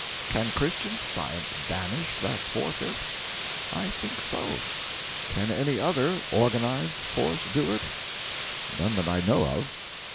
Can Christian Science banish that four fifths? I think so. Can any other (organised) force do it? None that I know of.